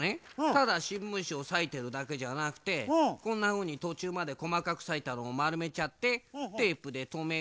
ただしんぶんしをさいてるだけじゃなくてこんなふうにとちゅうまでこまかくさいたのをまるめちゃってテープでとめるとほら！